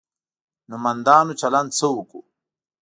نومندانو چلند څه وکړو.